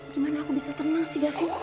gimana aku bisa tenang sih gafi